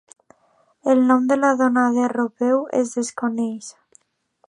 El nom de la dona de Roupen es desconeix.